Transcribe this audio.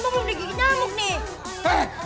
bang belum digigit nyamuk nih